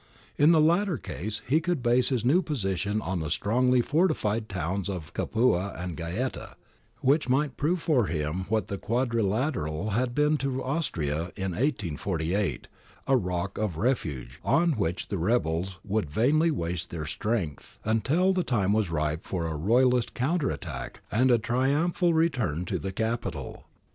In the latter case he could base his new position on the strongly fortified towns of Capua and Gaeta, which might prove for him what the quadrilateral had been to Austria in 1848, a rock of refuge on which the rebels would vainly waste their strength, until the time was ripe for a Royalist counter attack and a triumphal return to the Capital.